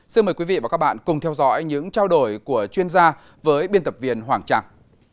xin mời quý vị và các bạn cùng theo dõi những trao đổi của chuyên gia với biên tập viên hoàng trang